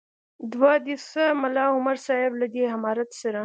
دوه دې سه ملا عمر صاحب له دې امارت سره.